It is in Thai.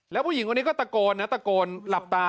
แล้วผู้หญิงคนนี้ก็ตะโกนนะตะโกนหลับตา